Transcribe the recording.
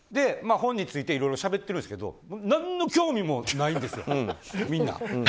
本についていろいろしゃべってるんですけど何の興味もないんですよ。